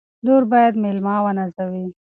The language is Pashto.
لور باید مېلمه ونازوي.